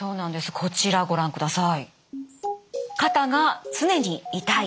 こちらご覧ください。